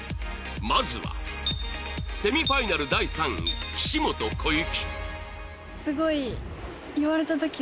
まずはセミファイナル第３位岸本小雪